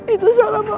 itu salah mama